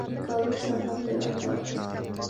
Бул техникалык жардам деп аталат.